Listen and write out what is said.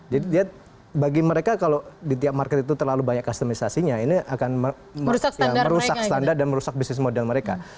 jadi bagi mereka kalau di tiap market itu terlalu banyak customisasinya ini akan merusak standar dan merusak business model mereka